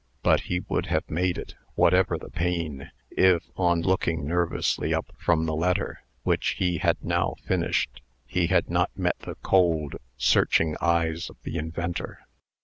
But he would have made it, whatever the pain, if, on looking nervously up from the letter, which he had now finished, he had not met the cold, searching eyes of the inventor.